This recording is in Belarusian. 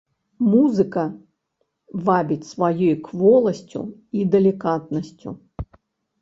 Музыка вабіць сваёй кволасцю і далікатнасцю.